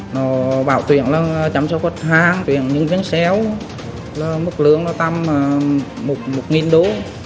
nó bảo tuyển là chăm sóc khách hàng tuyển nhân viên xéo mức lượng là tầm một nghìn đô